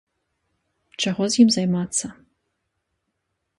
Чаго з ім займацца.